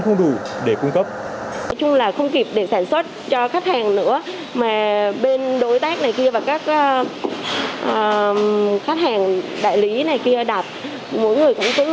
không thể cung cấp đủ